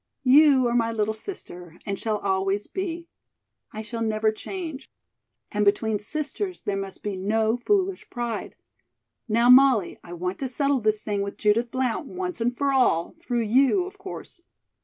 You are my little sister, and shall always be. I shall never change. And between sisters there must be no foolish pride. Now, Molly, I want to settle this thing with Judith Blount once and for all, through you, of course.